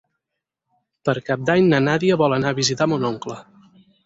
Per Cap d'Any na Nàdia vol anar a visitar mon oncle.